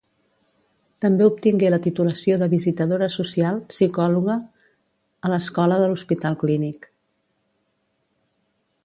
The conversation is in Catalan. També obtingué la titulació de visitadora social, psicòloga a l’Escola de l’Hospital Clínic.